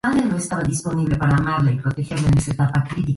Ahora hay restricciones que controlan el comercio de caimanes y sus pieles.